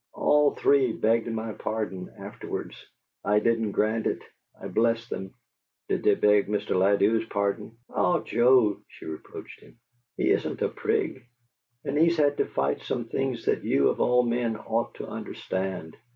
All three begged my pardon afterwards. I didn't grant it I blessed them!" "Did they beg Mr. Ladew's pardon?" "Ah, Joe!" she reproached him. "He isn't a prig. And he's had to fight some things that you of all men ought to understand.